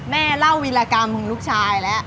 แม่เล่าวิรากรรมของลูกชายแล้ว